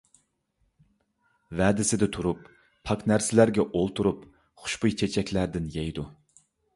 ۋەدىسىدە تۇرۇپ، پاك نەرسىلەرگە ئولتۇرۇپ، خۇشبۇي چېچەكلەردىن يەيدۇ.